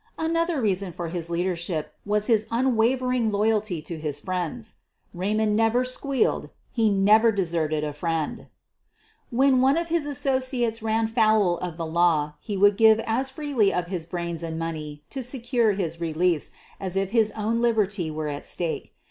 Another reason for his leadership was his unwaver ing loyalty to his friends. Raymond never " squealed" — he never deserted a friend. When 48 SOPHIE LYONS one of his associates ran foul of the law he would give as freely of his brains and money to secure his release as if his own liberty were at stake.